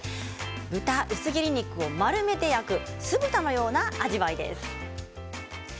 豚薄切り肉を丸めて焼く酢豚のような味わいです。